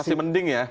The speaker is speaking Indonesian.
masih mending ya